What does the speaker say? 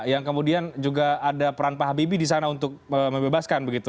yang kemudian juga ada peran pak habibie di sana untuk membebaskan begitu